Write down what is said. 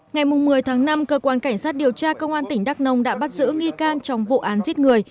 ngày một mươi tháng năm cơ quan cảnh sát điều tra công an tỉnh đắk nông đã bắt giữ nghi can trong vụ án giết người